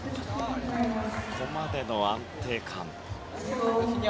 ここまでの安定感。